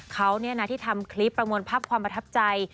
เขาที่ทำคลิปประมวลภาพความประทับใจ